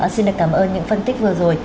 xin cảm ơn những phân tích vừa rồi